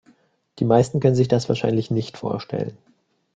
Die meisten können sich das wahrscheinlich nicht vorstellen.